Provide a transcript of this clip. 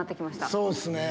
そうっすね。